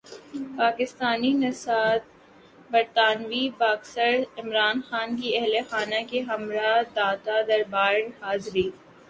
پاکستانی نژادبرطانوی باکسر عامر خان کی اہل خانہ کےہمراہ داتادربار حاضری